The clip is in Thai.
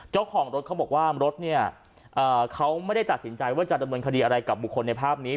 เจ้าของรถเขาบอกว่ารถเนี่ยเขาไม่ได้ตัดสินใจว่าจะดำเนินคดีอะไรกับบุคคลในภาพนี้